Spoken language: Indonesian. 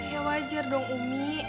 ya wajar dong umi